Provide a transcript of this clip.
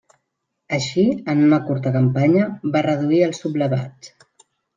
Així, en una curta campanya, va reduir als sublevats.